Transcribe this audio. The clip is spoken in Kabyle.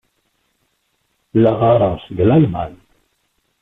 La d-ɣɣareɣ seg Lalman.